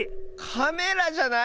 カメラじゃない？